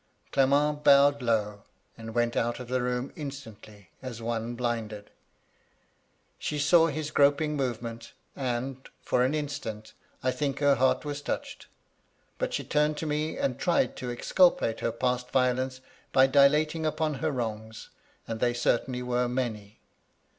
"Clement bowed low, and went out of the room instantly, as one blinded. She saw his groping move ment, and, for an instant, I think her heart was touched. But she turned to me, and tried to excul pate her past violence by dilating upon her wrongs, and they certainly were many.